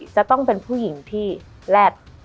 จะต้องเป็นผู้หญิงที่แรด